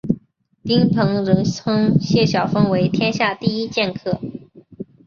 丁鹏仍称谢晓峰为天下第一剑客。